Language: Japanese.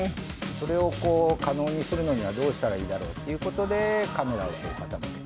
それを可能にするのにはどうしたらいいだろう？っていう事でカメラを傾けて。